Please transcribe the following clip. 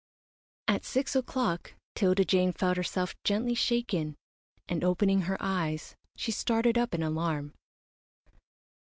At six o'clock 'Tilda Jane felt herself gently shaken, and opening her eyes, she started up in alarm.